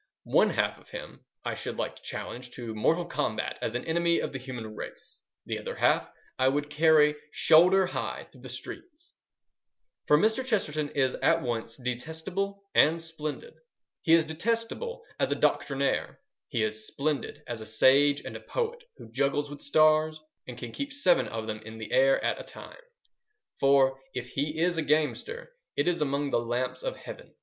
One half of him I should like to challenge to mortal combat as an enemy of the human race. The other half I would carry shoulder high through the streets. For Mr. Chesterton is at once detestable and splendid. He is detestable as a doctrinaire: he is splendid as a sage and a poet who juggles with stars and can keep seven of them in the air at a time. For, if he is a gamester, it is among the lamps of Heaven.